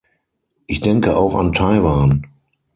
Ich denke auch an Taiwan.